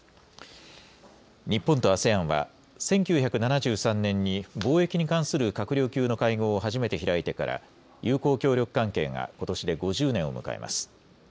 日本とＡＳＥＡＮは１９７３年に貿易に関する閣僚級の会合を初めて開いてから友好協力関係がことしで５０年を迎えます。